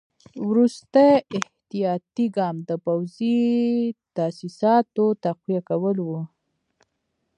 وروستی احتیاطي ګام د پوځي تاسیساتو تقویه کول وو.